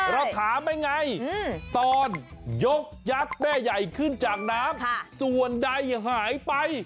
เราถามได้ไงตอนยกยักษ์แม่ใหญ่ขึ้นจากน้ำส่วนใดหายไป